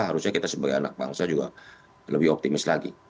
harusnya kita sebagai anak bangsa juga lebih optimis lagi